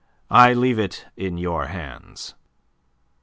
I leave it in your hands."